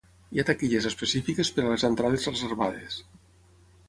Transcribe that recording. Hi ha taquilles específiques per a les entrades reservades.